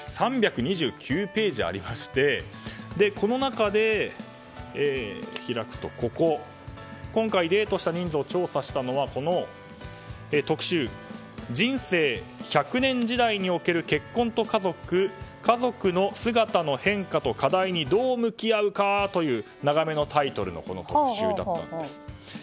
３２９ページありましてこの中で、今回デートした人数を調査したのはこの特集「人生１００年時代における結婚と家族家族の姿の変化と課題にどう向き合うか」という長めのタイトルの特集だったんです。